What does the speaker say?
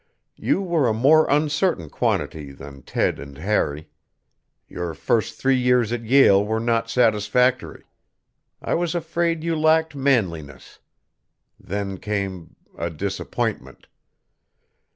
You were a more uncertain quantity than Ted and Harry. Your first three years at Yale were not satisfactory. I was afraid you lacked manliness. Then came a disappointment.